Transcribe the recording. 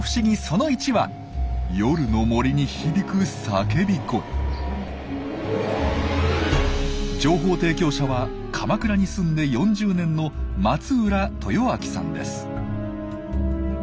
鎌倉の情報提供者は鎌倉に住んで４０年の松浦豊昭さんです。